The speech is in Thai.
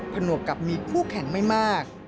ผนวกกับมีคู่แข่งไม่มาก